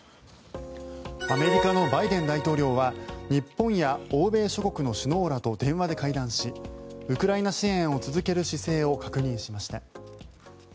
アメリカのバイデン大統領は日本や欧米諸国の首脳らと電話で会談しウクライナ支援を続ける姿勢を確認しました。